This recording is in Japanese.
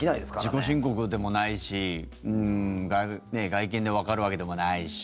自己申告でもないし外見でわかるわけでもないし。